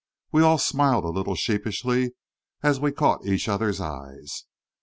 We all smiled a little sheepishly as we caught each other's eyes.